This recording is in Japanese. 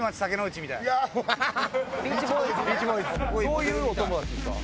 どういうお友達ですか？